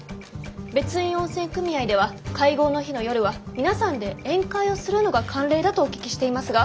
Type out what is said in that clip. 別院温泉組合では会合の日の夜は皆さんで宴会をするのが慣例だとお聞きしていますが。